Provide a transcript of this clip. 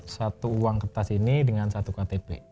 satu uang kertas ini dengan satu ktp